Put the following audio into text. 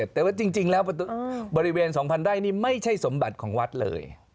แต่ว่าจริงแล้วบริเวณ๒๐๐ไร่นี่ไม่ใช่สมบัติของวัดเลย